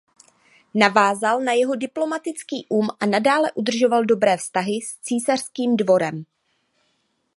Navázal na jeho diplomatický um a nadále udržoval dobré vztahy s císařským dvorem.